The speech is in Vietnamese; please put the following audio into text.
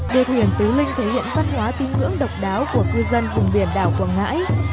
đua thuyền tứ linh thể hiện văn hóa tín ngưỡng độc đáo của cư dân vùng biển đảo quảng ngãi